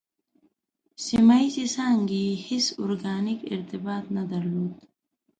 سیمه ییزې څانګې یې هېڅ ارګانیک ارتباط نه درلود.